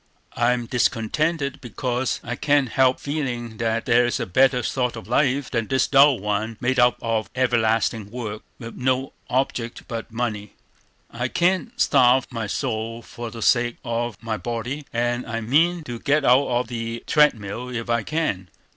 I am discontented, because I can't help feeling that there is a better sort of life than this dull one made up of everlasting work, with no object but money. I can't starve my soul for the sake of my body, and I mean to get out of the treadmill if I can.